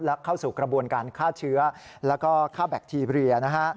และเข้าสู่กระบวนการฆ่าเชื้อแล้วก็ค่าแบคทีเรียนะฮะ